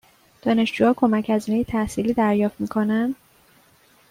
دانشجوها کمک هزینه تحصیلی دریافت می کنند؟